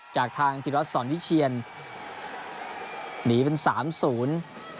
จากทางจิรัตนสอนวิเชียนหนีเป็นสามศูนย์